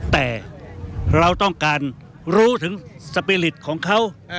แต่เราต้องการรู้ถึงสปีริตของเขา